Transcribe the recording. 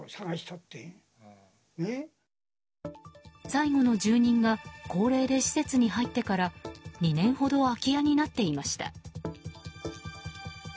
最後の住人が高齢で施設に入ってから２年ほど空き家になっていました。